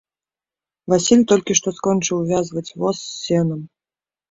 Васіль толькі што скончыў увязваць воз з сенам.